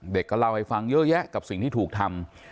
ก็เล่าให้ฟังเยอะแยะกับสิ่งที่ถูกทำ